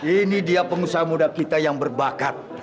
ini dia pengusaha muda kita yang berbakat